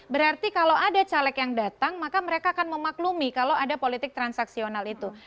berarti kalau ada caleg yang datang maka mereka akan memaklumi kalau ada politik transaksional itu